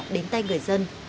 đến tay người dân